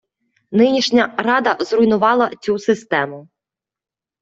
Нинішня рада зруйнувала цю систему.